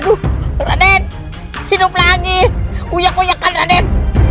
aduh raden hidup lagi uyak uyakan raden